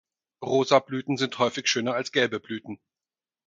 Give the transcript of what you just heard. Rosa Blüten sind häufig schöner als gelbe Blüten.